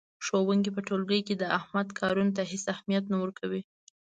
ښوونکی په ټولګي کې د احمد کارونو ته هېڅ اهمیت نه ورکوي.